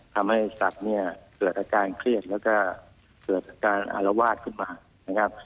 ทำให้สัตว์เนี่ยเกิดอาการเครียดแล้วก็เกิดอาการอารวาสขึ้นมานะครับ